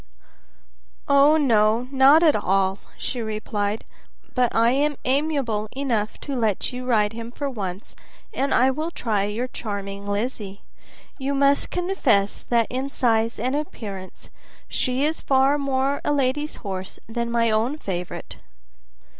"Oh, no, not at all," she replied, "but I am amiable enough to let you ride him for once, and I will try your charming Lizzie. You must confess that in size and appearance she is far more like a lady's horse than my own favorite."